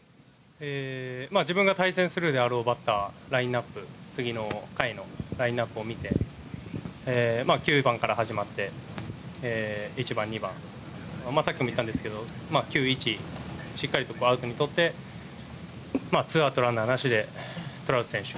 自分が対戦するであろうバッター次の回のラインアップを見て９番から始まって１番、２番さっきも言ったんですが９、１しっかりアウトにとって２アウト、ランナーなしでトラウト選手